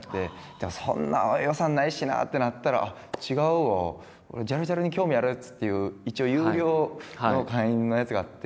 でもそんな予算ないしなってなったらあっ違うわ「ジャルジャルに興味ある奴」っていう一応有料の会員のやつがあって。